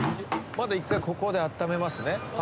まだ１回ここであっためますね。